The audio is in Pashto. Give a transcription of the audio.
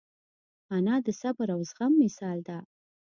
انا د صبر او زغم مثال ده